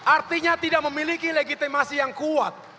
artinya tidak memiliki legitimasi yang kuat